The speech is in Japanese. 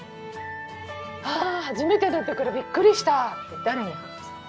あ初めてだったからびっくりしたって誰に話す？